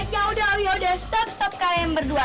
ya udah ya udah stop stop kalian berdua